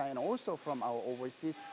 dan juga dari pabrik luar negara kami